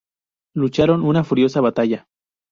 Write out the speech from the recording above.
Lucharon una furiosa batalla.